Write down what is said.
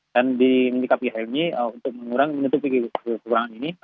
dan di menikapi hal ini untuk menurunkan penyisiran sepanjang aliran sungai